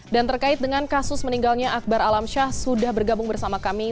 dan terkait dengan kasus meninggalnya akbar alamsyah sudah bergabung bersama kami